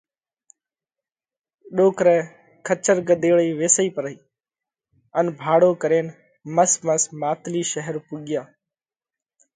ڏوڪرئہ کچر ڳۮيڙئِي ويسئِي پرئي ان ڀاڙو ڪرينَ مس مس ماتلِي شير پُوڳيا۔